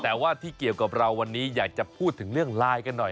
แต่ว่าที่เกี่ยวกับเราวันนี้อยากจะพูดถึงเรื่องไลน์กันหน่อย